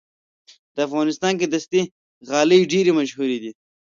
په افغانستان کې دستي غالۍ ډېرې مشهورې دي.